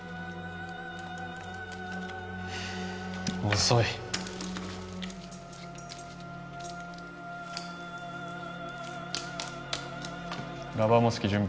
遅いラバーモスキ準備